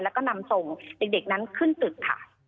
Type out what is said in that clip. แล้วก็นำส่งเด็กนั้นขึ้นตึกค่ะ